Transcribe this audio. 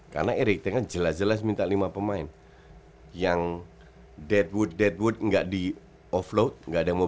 lebih tekan jelas jelas minta lima pemain yang deadwood deadwood enggak di offload nggak ada mau